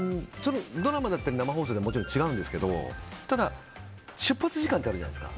ドラマだったり生放送でもちろん違うんですけどただ、出発時間ってあるじゃないですか。